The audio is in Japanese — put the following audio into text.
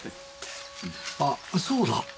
あっそうだ。